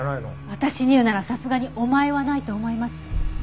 私に言うならさすがに「お前」はないと思います。